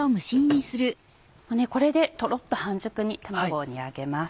これでトロっと半熟に卵を煮上げます。